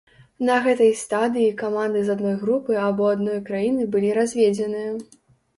На гэтай стадыі каманды з адной групы або адной краіны былі разведзеныя.